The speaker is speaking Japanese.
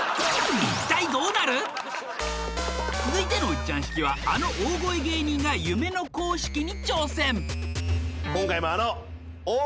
続いての「ウッチャン式」はあの大声芸人が夢の公式に挑戦